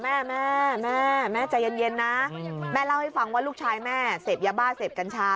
แม่แม่แม่ใจเย็นนะแม่เล่าให้ฟังว่าลูกชายแม่เสพยาบ้าเสพกัญชา